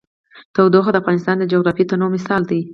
تودوخه د افغانستان د جغرافیوي تنوع مثال دی.